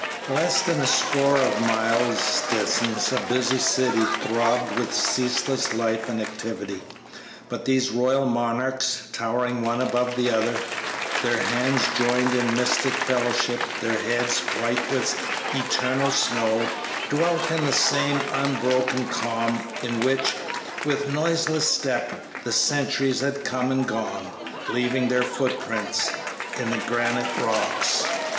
Less than a score of miles distant a busy city throbbed with ceaseless life and activity, but these royal monarchs, towering one above another, their hands joined in mystic fellowship, their heads white with eternal snows, dwelt in the same unbroken calm in which, with noiseless step, the centuries had come and gone, leaving their footprints in the granite rocks.